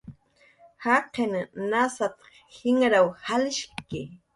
"Jaqin nasat"" jinraw jalshki"